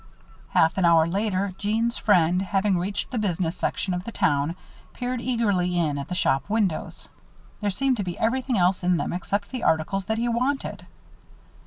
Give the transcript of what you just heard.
Half an hour later, Jeanne's friend, having reached the business section of the town, peered eagerly in at the shop windows. There seemed to be everything else in them except the articles that he wanted.